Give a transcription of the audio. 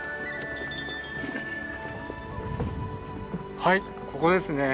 はいここですね。